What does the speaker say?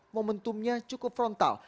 momentumnya cukup frontal